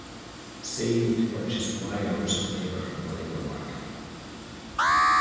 Say you need to purchase Y hours of labour from the labour market.